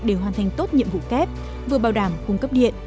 để hoàn thành tốt nhiệm vụ kép vừa bảo đảm cung cấp điện